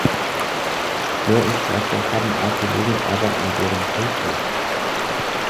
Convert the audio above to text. Mehr Interesse haben Archäologen aber an deren Kirchhof.